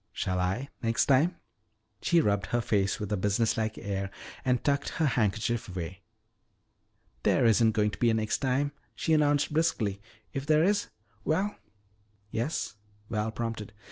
Shall I, next time?" She rubbed her face with a businesslike air and tucked her handkerchief away. "There isn't going to be any next time," she announced briskly. "If there is well " "Yes?" Val prompted.